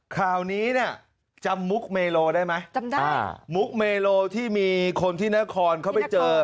คราวนี้เนี่ยจำลูกเมโลได้มั้ยจำได้อ่ะเล่นที่มีคนที่นครเขาไปเจอ